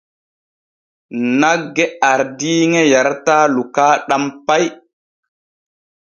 Nagge ardiiŋe yarataa lukaaɗam pay.